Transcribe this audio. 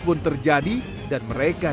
pun terjadi dan mereka